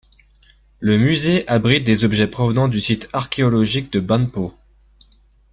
Le musée abrite des objets provenant du site archéologique de Banpo.